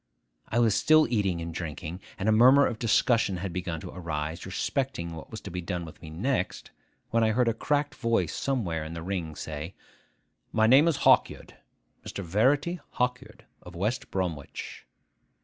I was still eating and drinking, and a murmur of discussion had begun to arise respecting what was to be done with me next, when I heard a cracked voice somewhere in the ring say, 'My name is Hawkyard, Mr. Verity Hawkyard, of West Bromwich.